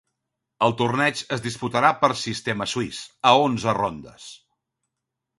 El torneig es disputarà per sistema suís, a onze rondes.